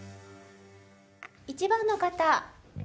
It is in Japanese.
１番の方！